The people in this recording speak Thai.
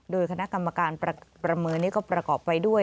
โดยคณะกรรมการประเมินนี่ก็ประกอบไปด้วย